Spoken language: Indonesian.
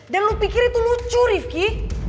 dan lu pikir itu lucu rifqi